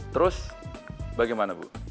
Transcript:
terus bagaimana bu